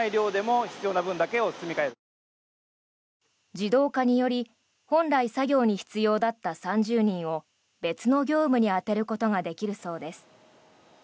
自動化により本来作業に必要だった３０人を別の業務に充てることができるそうです。